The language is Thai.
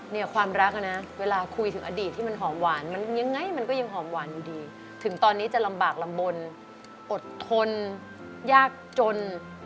เนี่ยความรักนะเวลาคุยถึงอดีตที่มันหอมหวานมันยังไงมันก็ยังหอมหวานอยู่ดีถึงตอนนี้จะลำบากลำบลอดทนยากจน